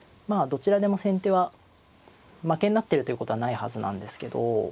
どちらでも先手は負けになってるということはないはずなんですけど。